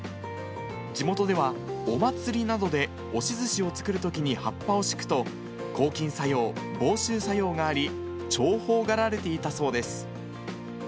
地元ではお祭りなどで押しずしを作るときに葉っぱを敷くと、抗菌作用、防臭作用があり、重宝がられていたそうです。